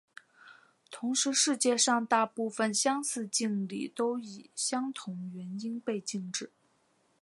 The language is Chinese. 同时世界上大部份相似敬礼都以相同原因被禁止。